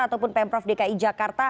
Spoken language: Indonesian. ataupun pemprov dki jakarta